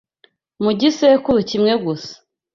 Mu gisekuru kimwe gusa